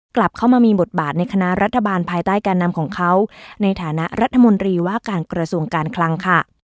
กลับเข้ามามีบทบาทในคณะรัฐบาลภายใต้การนำของเขาในฐานะรัฐมนตรีว่าการกระทรวงการคลังค่ะ